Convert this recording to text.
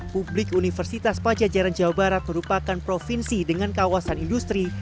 publik universitas pajajaran jawa barat merupakan provinsi dengan kawasan industri